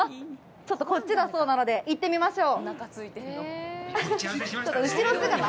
ちょっとこっちだそうなので行ってみましょう。